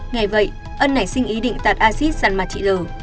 ngày vậy ân nảy sinh ý định tạt axit dằn mặt chị l